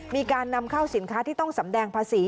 มีการนำเข้าสินค้าที่ต้องสำแดงภาษี